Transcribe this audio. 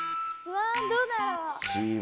うわどうだろう。